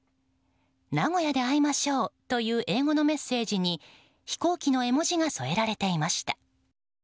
名古屋で会いましょうという英語のメッセージに飛行機の絵文字が添えられていました。